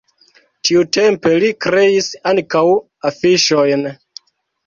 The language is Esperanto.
Tiutempe li kreis ankaŭ afiŝojn.